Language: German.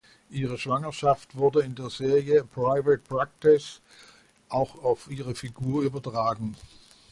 Ihre Schwangerschaft wurde in der Serie "Private Practice" auch auf ihre Figur übertragen.